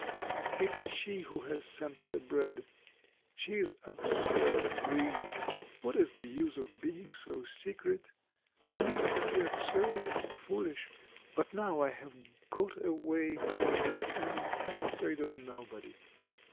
"It's she who has sent the bread. She is absurd really, what is the use of being so secret? I used to be absurd and foolish, but now I have got away from that and am afraid of nobody.